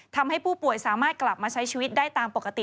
ทำให้ผู้ป่วยสามารถกลับมาใช้ชีวิตได้ตามปกติ